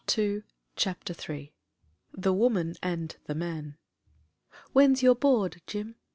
«1 CHAPTER III THE WOMAN AND THE MAN ¥1I7HEN'S your board, Jim?"